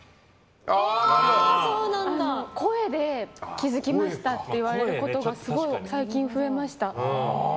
声で気づきましたって言われることが最近、増えました。